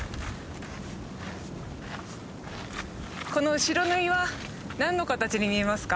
この後ろの岩何の形に見えますか？